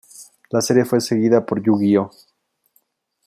La serie fue seguida por Yu-Gi-Oh!